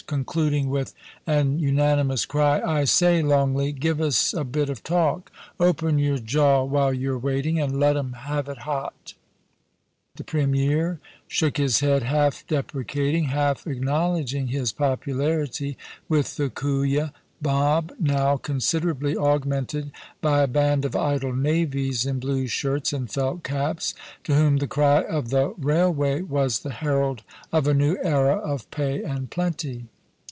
concluding with an unanimous cry, * I say, Longleat, give us a bit of talk. Open your jaw while you're waiting, and let 'em have it hot* The Premier shook his head, half deprecating, half acknowledging his popularity with the Kooya mob, now con siderably augmented by a band of idle navvies in blue shirts and felt caps, to whom the cry of * the Railway ' was the herald of a new era of pay and plent}'.